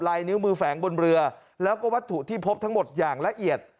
นิ้วมือแฝงบนเรือแล้วก็วัตถุที่พบทั้งหมดอย่างละเอียด